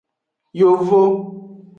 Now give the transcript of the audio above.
Yovo.